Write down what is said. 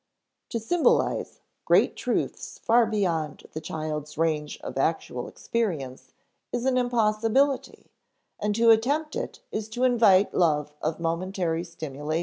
To symbolize great truths far beyond the child's range of actual experience is an impossibility, and to attempt it is to invite love of momentary stimulation.